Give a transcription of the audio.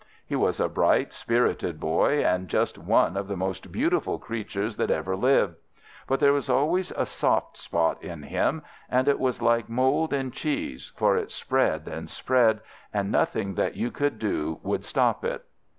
He was a bright, spirited boy, and just one of the most beautiful creatures that ever lived. But there was always a soft spot in him, and it was like mould in cheese, for it spread and spread, and nothing that you could do would stop it.